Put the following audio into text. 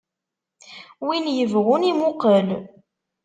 Win yebɣun imuqel.